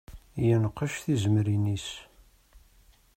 Yenqec tizemrin-is.